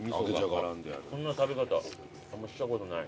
こんな食べ方したことない。